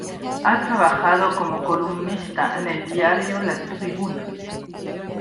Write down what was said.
Ha trabajado como columnista en el diario La Tribuna.